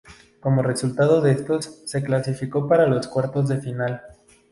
Como resultado de esto se clasificó para los cuartos de final.